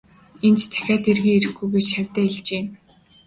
Энд дахиад эргэн ирэхгүй гэж шавьдаа хэлжээ.